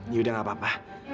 yaudah gak apa apa